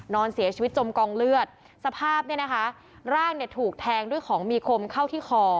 นอนเสียชีวิตจมกองเลือดสภาพเนี่ยนะคะร่างเนี่ยถูกแทงด้วยของมีคมเข้าที่คอ